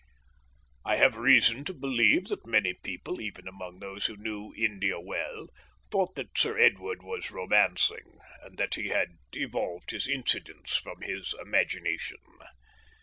I have reason to believe that many people, even among those who knew India well, thought that Sir Edward was romancing, and that he had evolved his incidents from his imagination.